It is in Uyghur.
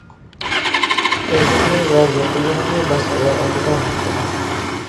ئۆزۈڭنى ۋە يېقىنلىرىڭنى باشقىلار ئالدىدا ماختىما.